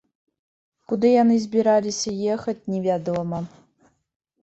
Куды яна збіралася ехаць, невядома.